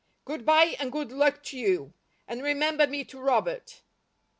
Good bye and good luck to you, and remember me to Robert."